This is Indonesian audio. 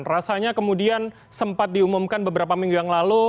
rasanya kemudian sempat diumumkan beberapa minggu yang lalu